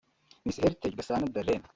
Miss Heritage Gasana Darlene